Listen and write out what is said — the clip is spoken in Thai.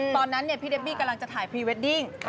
ตอนนั้นพี่เดบบี้กำลังจะถ่ายพรีเวดดิ้ง